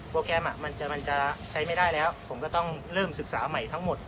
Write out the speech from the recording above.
แกรมมันจะใช้ไม่ได้แล้วผมก็ต้องเริ่มศึกษาใหม่ทั้งหมด